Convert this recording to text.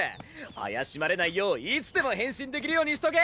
怪しまれないよういつでも変身できるようにしとけ！